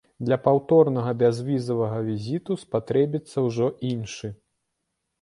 Для паўторнага бязвізавага візіту спатрэбіцца ўжо іншы.